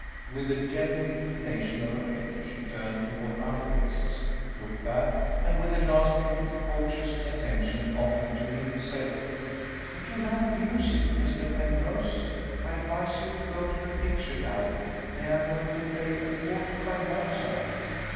With a gentle inclination of her head, she turned toward other guests looked back and with a last little courteous attention offered to him, said, "If you like music, Mr. Penrose, I advise you to go to the picture gallery. They are going to play a Quartet by Mozart."